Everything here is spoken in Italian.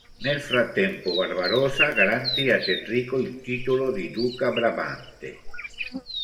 Nel frattempo, Barbarossa garantì ad Enrico il titolo di Duca "Brabante".